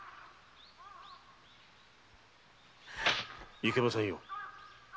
いけませんよ。